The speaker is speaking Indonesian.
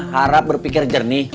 harap berpikir jernih